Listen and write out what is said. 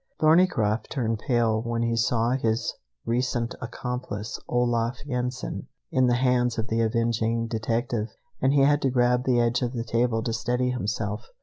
Thorneycroft turned pale when he saw his recent accomplice, Olaf Yensen, in the hands of the avenging detective, and he had to grab the edge of the table to steady himself.